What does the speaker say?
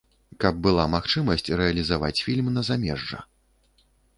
Каб была магчымасць рэалізаваць фільм на замежжа.